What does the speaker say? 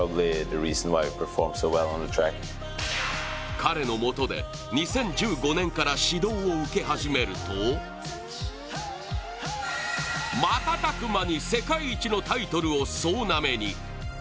彼のもとで２０１５年から指導を受け始めると瞬く間に世界一のタイトルを総なめに。